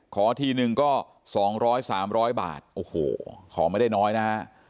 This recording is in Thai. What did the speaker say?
ขอทีหนึ่งก็สองร้อยสามร้อยบาทขอไม่ได้น้อยนะฮะ